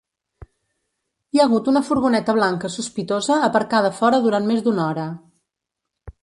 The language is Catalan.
Hi ha hagut una furgoneta blanca sospitosa aparcada fora durant més d'una hora.